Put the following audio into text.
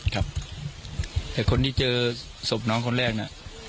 ครับแต่คนที่เจอศพน้องคนแรกน่ะ